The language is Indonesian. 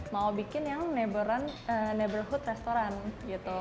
mau bikin yang neighborhood restaurant gitu